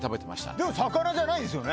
でも魚じゃないんですよね。